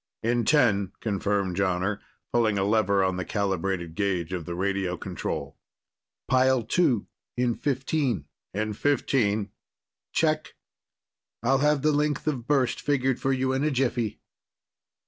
"In ten," confirmed Jonner, pulling a lever on the calibrated gauge of the radio control. "Pile Two, in fifteen." "In fifteen." "Check. I'll have the length of burst figured for you in a jiffy."